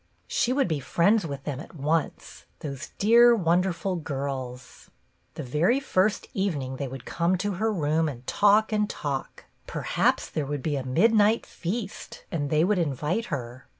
She would be friends with them at once, those dear, wonderful girls ! The very first evening they would come to her room and talk and talk; perhaps there would be a midnight feast and they would invite her.